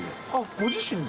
ご自身で？